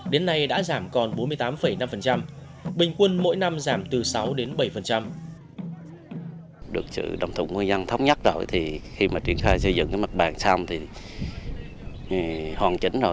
đến nay đã giảm còn bốn mươi tám năm bình quân mỗi năm giảm từ sáu đến bảy